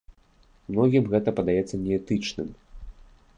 Многім гэта падаецца неэтычным.